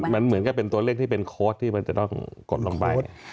มันเหมือนกับเป็นตัวเลขที่เป็นโค้ดที่มันจะต้องกดลงไป